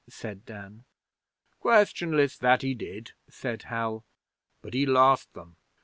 said Dan. 'Questionless, that he did,' said Hal. 'But he lost them.